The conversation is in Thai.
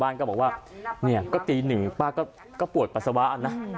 บ้านก็บอกว่าเนี่ยก็ตีหนึ่งป้าก็ก็ปวดปัสสาวะอันนั้น